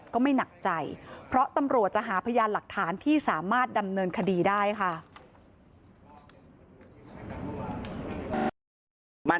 ก็ไม่หนักใจเพราะตำรวจจะหาพยานหลักฐานที่สามารถดำเนินคดีได้ค่ะ